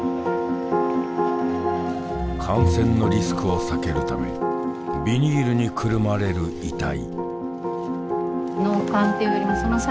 感染のリスクを避けるためビニールにくるまれる遺体。